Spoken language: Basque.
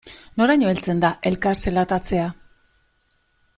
Noraino heltzen da elkar zelatatzea?